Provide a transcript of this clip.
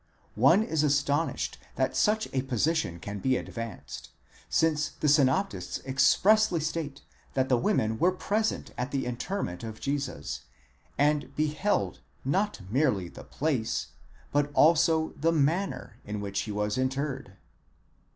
* One is astonished that such a position can be advanced, since the synoptists expressly state that the women were present at the interment of Jesus, and beheld, not merely the place (ποῦ τίθεται, Mark), but also the manner in which he was interred (ὡς ἐτέθη, Luke).